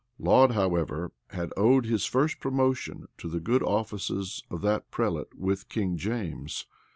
[v] Laud, however, had owed his first promotion to the good offices of that prelate with King James.